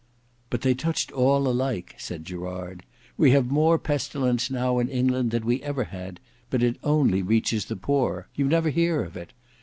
"But they touched all alike," said Gerard. "We have more pestilence now in England than we ever had, but it only reaches the poor. You never hear of it.